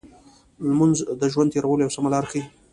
لمونځ د ژوند تېرولو یو سمه لار ښيي.